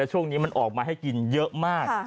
ช่วงนี้มันออกมาให้กินเยอะมาก